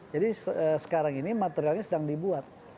jadi sekarang ini materialnya sedang dibuat